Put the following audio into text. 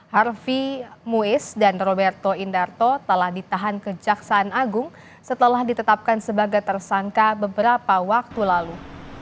harfi muiz dan roberto indarto telah ditahan kejaksaan agung setelah ditetapkan sebagai tersangka beberapa waktu lalu